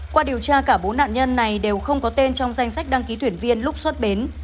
qua điều tra cả bốn nạn nhân này đều không có tên trong danh sách đăng ký thuyền viên lúc xuất bến